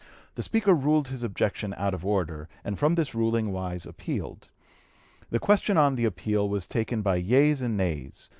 The Speaker ruled his objection out of order, and from this ruling Wise appealed. The question on the appeal was taken by yeas and nays.